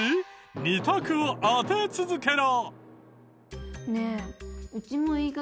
２択を当て続けろ！